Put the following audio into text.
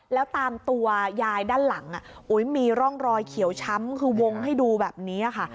แล้วตามตัวยายด้านหลังมีร่องรอยเขียวช้ำคือวงให้ดูแบบนี้ค่ะ